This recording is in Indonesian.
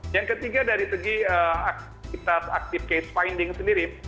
yang ketiga dari segi aktivitas active case finding sendiri